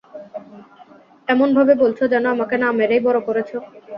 এমনভাবে বলছো যেন, আমাকে না মেরেই বড়ো করেছো।